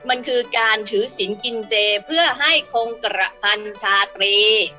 มันคือการถือศิลป์กินเจเพื่อให้คงกระพันชาตรี